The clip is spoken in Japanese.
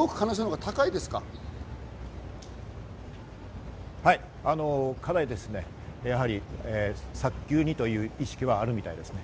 はい、かなり、やはり早急にという意識はあるみたいですね。